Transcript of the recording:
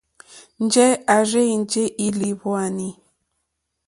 Njɛ̂ à rzênjé ìlìhwòànì.